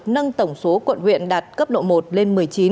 nâng tổng số quận huyện đạt cấp độ một lên một mươi chín